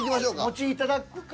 もちいただくか。